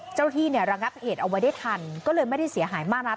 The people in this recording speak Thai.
เจ้าหน้าที่เนี่ยระงับเหตุเอาไว้ได้ทันก็เลยไม่ได้เสียหายมากนัก